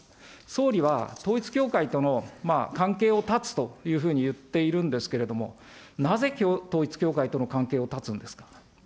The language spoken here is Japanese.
総理は統一教会との関係を断つというふうに言っているんですけれども、なぜ統一教会との関係を断つんですか。